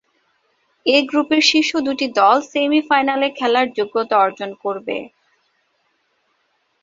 এই গ্রুপের শীর্ষ দুটি দল সেমি-ফাইনালে খেলার যোগ্যতা অর্জন করবে।